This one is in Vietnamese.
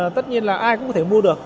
tất nhiên là ai cũng có thể mua được